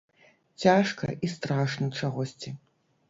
Цяжка і страшна чагосьці.